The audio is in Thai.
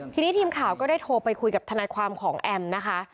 ทีนี้ทีมข่าวก็ได้โทรไปคุยกับทนายความของแอมนะคะ